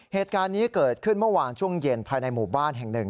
เหตุการณ์นี้เกิดขึ้นเมื่อวานช่วงเย็นภายในหมู่บ้านแห่งหนึ่ง